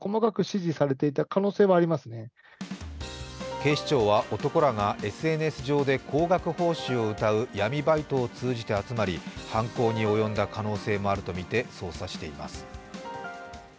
警視庁は男らがＳＮＳ上で高額報酬をうたう闇バイトを通じて集まり犯行に及んだ可能性もあるとみて捜査しています。